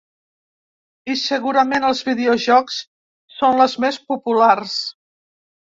I segurament els videojocs són les més populars.